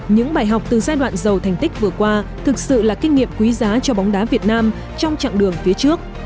những bài học từ giai đoạn giàu thành tích vừa qua thực sự là kinh nghiệm quý giá cho bóng đá việt nam trong chặng đường phía trước